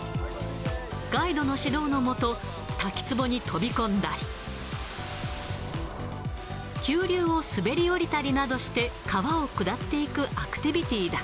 ガイドの指導の下、滝つぼに飛び込んだり、急流を滑り降りたりなどして、川を下っていくアクティビティーだ。